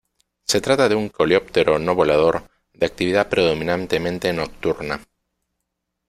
Se trata de un coleóptero no volador, de actividad predominantemente nocturna.